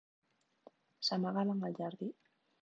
S'amagaven al jardí.